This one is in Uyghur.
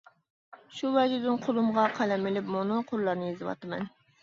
شۇ ۋەجىدىن قولۇمغا قەلەم ئېلىپ مۇنۇ قۇرلارنى يېزىۋاتىمەن.